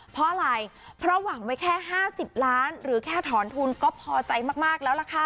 เพราะอะไรเพราะหวังไว้แค่๕๐ล้านหรือแค่ถอนทุนก็พอใจมากแล้วล่ะค่ะ